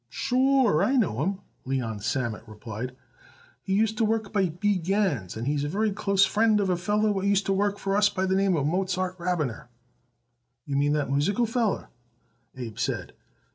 "Sure I know him," Leon Sammet replied. "He used to work by B. Gans, and he's a very close friend of a feller what used to work for us by the name Mozart Rabiner." "You mean that musical feller?" Abe said.